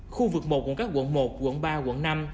khu vực một gồm các quận một quận ba quận năm